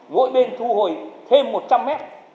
mỗi bên thu hủy thêm một trăm linh mét